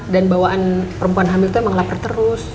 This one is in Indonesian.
dan bawaan perempuan hamil tuh emang lapar terus